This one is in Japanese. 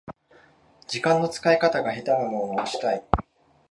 時間の使い方が下手なのを直したい